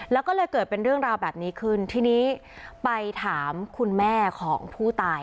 แล้วก็เลยเกิดเป็นเรื่องราวแบบนี้ขึ้นทีนี้ไปถามคุณแม่ของผู้ตาย